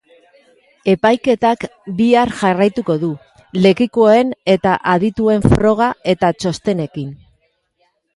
Epaiketak bihar jarraituko du lekukoen eta adituen froga eta txostenekin.